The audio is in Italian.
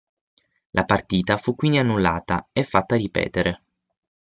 La partita fu quindi annullata e fatta ripetere.